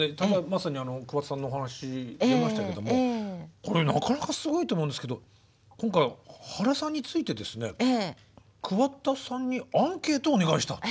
まさにあの桑田さんのお話出ましたけどもこれなかなかすごいと思うんですけど今回原さんについてですね桑田さんにアンケートをお願いしたと。